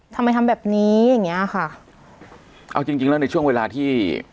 ทำไมทำแบบนี้อย่างเงี้ยค่ะเอาจริงจริงแล้วในช่วงเวลาที่